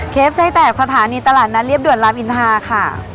ไส้แตกสถานีตลาดนัดเรียบด่วนรามอินทาค่ะ